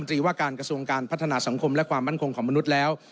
รีว่าการกระทรวงการพัฒนาสังคมและความมั่นคงของมนุษย์แล้ว